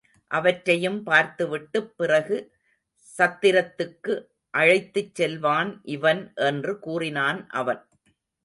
அவற்றையும் பார்த்துவிட்டுப் பிறகு சத்திரத்துக்கு அழைத்துச் செல்வான் இவன் என்று கூறினான் அவன்.